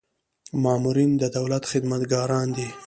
مامورین د دولت خدمتګاران دي